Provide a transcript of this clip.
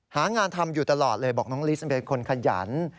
หางานทำอยู่ตลอดเลยบอกน้องลิสเป็นคนขยัน